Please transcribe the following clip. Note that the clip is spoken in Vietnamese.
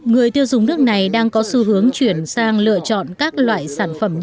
người tiêu dùng nước này đang có xu hướng chuyển sang lựa chọn các loại sản phẩm nhỏ